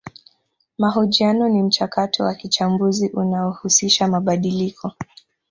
Mahojiano ni mchakato wa kichambuzi unaohusisha mabadiliko